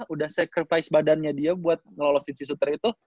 udah sacrifice badannya dia buat ngelolosin si shooter itu